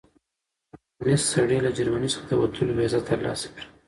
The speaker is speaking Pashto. یو کمونیست سړي له جرمني څخه د وتلو ویزه ترلاسه کړه.